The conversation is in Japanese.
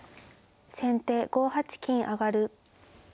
先手５八金上。